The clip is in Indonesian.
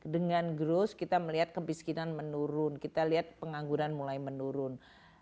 dengan growth kita melihat kemiskinan menurun kita lihat pengangguran mulai menurun